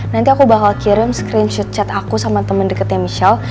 nanti aku bakal kirim screenshot chat aku sama temen deketnya michelle